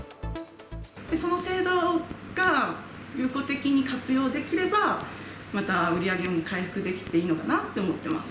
その制度が有効的に活用できれば、また売り上げも回復できていいのかなと思ってます。